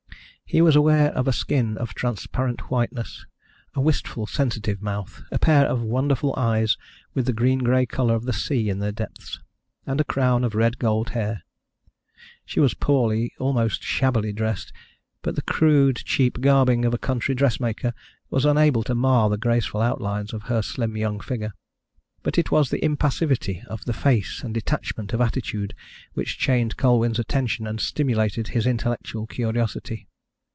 He was aware of a skin of transparent whiteness, a wistful sensitive mouth, a pair of wonderful eyes with the green grey colour of the sea in their depths, and a crown of red gold hair. She was poorly, almost shabbily, dressed, but the crude cheap garbing of a country dressmaker was unable to mar the graceful outlines of her slim young figure. But it was the impassivity of the face and detachment of attitude which chained Colwyn's attention and stimulated his intellectual curiosity.